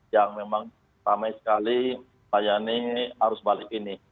yang memang ramai sekali layani arus balik ini